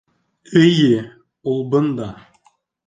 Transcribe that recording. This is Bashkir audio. Эйе, ул бында.